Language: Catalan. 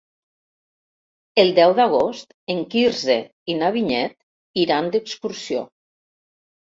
El deu d'agost en Quirze i na Vinyet iran d'excursió.